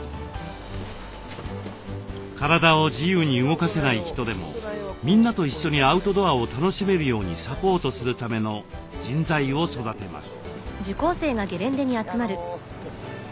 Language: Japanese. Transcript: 体を自由に動かせない人でもみんなと一緒にアウトドアを楽しめるようにサポートするための人材を育てます。